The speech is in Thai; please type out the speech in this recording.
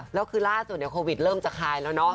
แล้วคือล่าสุดโควิดเริ่มจะคลายแล้วเนาะ